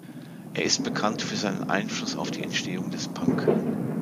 Er ist bekannt für seinen Einfluss auf die Entstehung des Punk.